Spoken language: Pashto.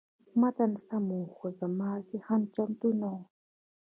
متن سم و، خو زما ذهن چمتو نه و.